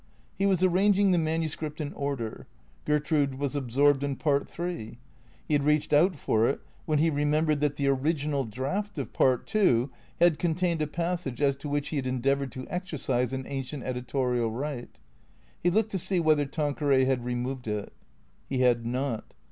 He was arranging the manuscript in order. Gertrude was absorbed in Part Three. He had reached out for it when he remembered that the original draft of Part Two had contained a passage as to which he had endeavoured to exercise an ancient editorial right. He looked to see whether Tanqueray had re moved it. He had not.